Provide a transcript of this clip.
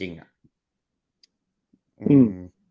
อืม